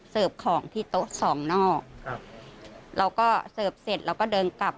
ของที่โต๊ะสองนอกครับเราก็เสิร์ฟเสร็จเราก็เดินกลับ